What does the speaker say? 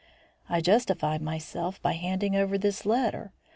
I justified myself by handing over this letter.